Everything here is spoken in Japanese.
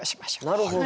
なるほど。